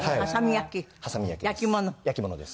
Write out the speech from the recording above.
焼き物です。